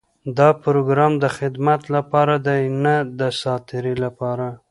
دا پروګرام د خدمت لپاره دی، نۀ د ساعتېري لپاره.